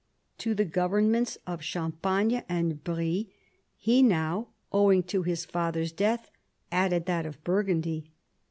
To the governments of Champagne and Brie he now, owing to his father's death, added that of Burgundy.